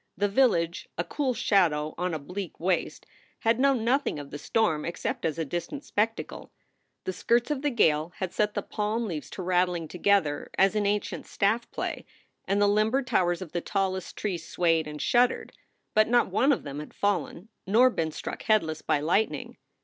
The village, a cool shadow on a bleak waste, had known nothing of the storm except as a distant spectacle. The skirts of the gale had set the palm leaves to rattling together as in ancient staff play, and the limber towers of the tallest trees swayed and shuddered, but not one of them had fallen, nor been struck headless by lightning.